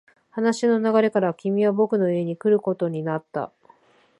話の流れから、君は僕の家に来ることになった。